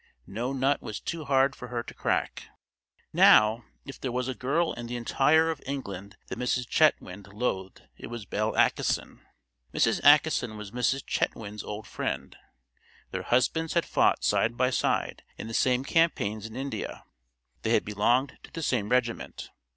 No nut was too hard for her to crack. Now, if there was a girl in the entire of England that Mrs. Chetwynd loathed it was Belle Acheson. Mrs. Acheson was Mrs. Chetwynd's old friend. Their husbands had fought side by side in the same campaigns in India. They had belonged to the same regiment.